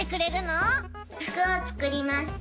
ふくをつくりました。